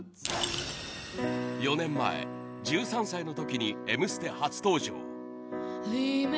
４年前１３歳の時に『Ｍステ』初登場。